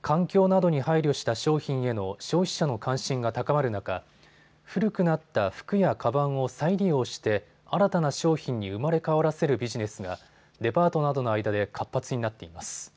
環境などに配慮した商品への消費者の関心が高まる中、古くなった服やかばんを再利用して新たな商品に生まれ変わらせるビジネスがデパートなどの間で活発になっています。